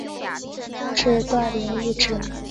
他是段廉义侄儿。